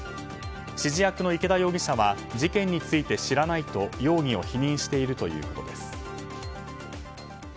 指示役の池田容疑者は事件について知らないと容疑を否認しているということです。